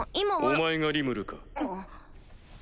お前がリムルか。